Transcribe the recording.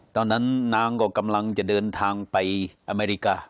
ตอนนั้นนางก็กำลังจะเดินทางไปอเมริกา